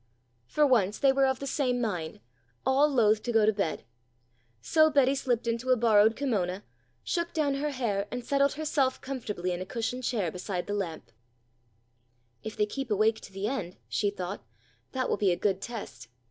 For once they were of the same mind, all loath to go to bed. So Betty slipped into a borrowed kimona, shook down her hair and settled herself comfortably in a cushioned chair beside the lamp. "If they keep awake to the end," she thought, "that will be a good test.